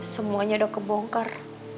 semuanya udah kebongkar